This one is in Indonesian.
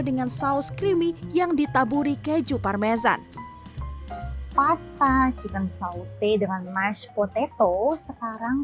dengan saus creamy yang ditaburi keju parmesan pasta chicken saute dengan mash ponteto sekarang